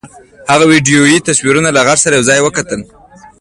هغه ويډيويي تصويرونه له غږ سره يو ځای وکتل.